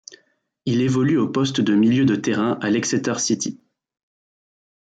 Il évolue au poste de milieu de terrain à l'Exeter City.